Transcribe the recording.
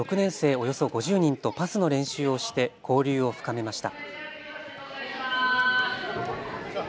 およそ５０人とパスの練習をして交流を深めました。